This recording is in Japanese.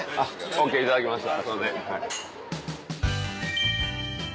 ＯＫいただきました。